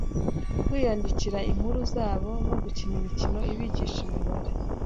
kwiyandikira inkuru zabo no gukina imikino ibigisha imibare